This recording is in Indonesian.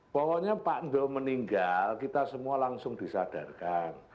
pokoknya pak endo meninggal kita semua langsung disadarkan